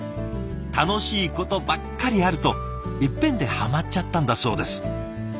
「楽しいことばっかりある！」といっぺんでハマっちゃったんだそうです。